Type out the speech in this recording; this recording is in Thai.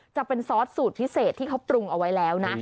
จะเป็นซอสสูตรพิเศษที่เขาปรุงเอาไว้แล้วนะ